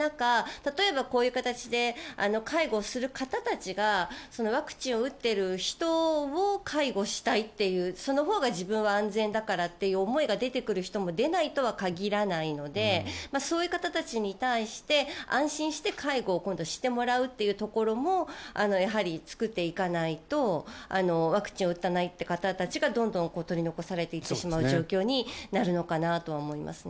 例えばこういう形で介護する方たちがワクチンを打ってる人を介護したいというそのほうが自分は安全だからという思いが出てくる人も出ないとは限らないのでそういう方たちに対して安心して介護をしてもらうというところもやはり作っていかないとワクチンを打たないって方たちがどんどん取り残されて行ってしまう状況になるのかなと思いますね。